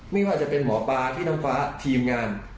ไม่ว่าจะเป็นหมอปลาพี่น้ำฟ้าทีมงาน